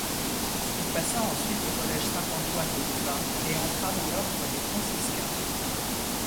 Il passa ensuite au collège Saint-Antoine de Louvain, et entra dans l'ordre des franciscains.